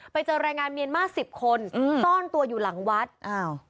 ไปเจอแรงงานเมียนมาสสิบคนอืมซ่อนตัวอยู่หลังวัดอ้าว